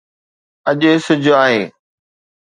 اڄ سج آهي